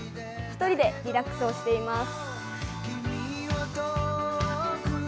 １人でリラックスをしています。